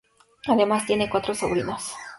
Además tiene cuatro sobrinos.